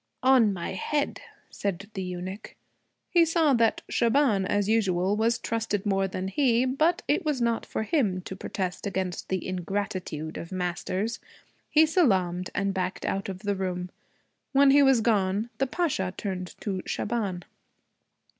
'On my head,' said the eunuch. He saw that Shaban, as usual, was trusted more than he. But it was not for him to protest against the ingratitude of masters. He salaamed and backed out of the room. When he was gone the Pasha turned to Shaban.